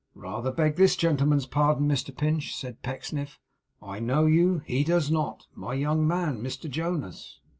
'Rather beg this gentleman's pardon, Mr Pinch,' said Pecksniff. 'I know you; he does not. My young man, Mr Jonas.